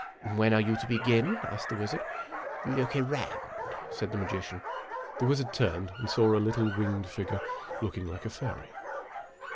"When are you to beein ?" asked the wizard. J o " Look around," said the magician. The wizard turned, and saw a little winged figure, looking like a fairy.